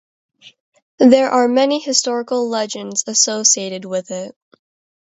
There are many historical legends associated with it.